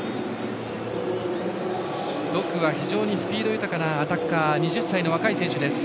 ドクは、非常にスピード豊かなアタッカー２０歳の非常に若い選手です。